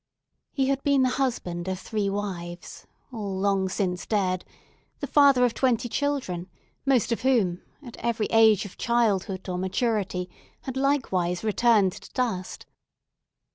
He had been the husband of three wives, all long since dead; the father of twenty children, most of whom, at every age of childhood or maturity, had likewise returned to dust.